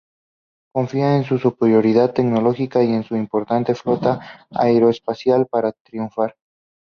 Confían en su superioridad tecnológica y en su imponente flota aeroespacial para triunfar.